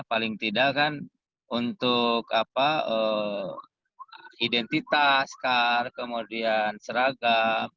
paling tidak kan untuk identitas kar kemudian seragam